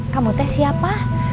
kamu teh siapa